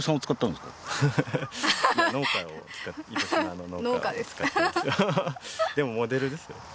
でもモデルですよ。